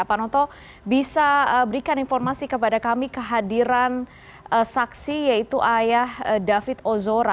pak noto bisa berikan informasi kepada kami kehadiran saksi yaitu ayah david ozora